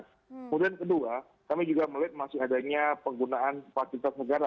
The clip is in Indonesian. kemudian kedua kami juga melihat masih adanya penggunaan fasilitas negara